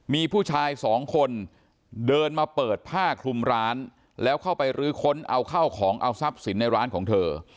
มีผู้ชายสองคนเดินมาเปิดผ้าคลุมร้านแล้วเข้าไปรื้อค้นเอาข้าวของเอาทรัพย์สินในร้านของเธอ